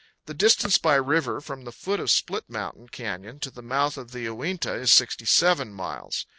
The distance by river from the foot of Split Mountain Canyon to the mouth of the Uinta is 67 miles.